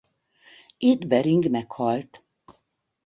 Itt Bering meghalt.